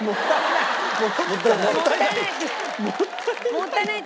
「もったいない」！